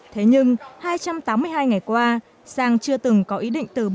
thế nhưng hai trăm tám mươi hai ngày qua sang chưa từng có ý định từ bỏ